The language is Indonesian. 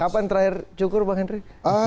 kapan terakhir cukur bang hendry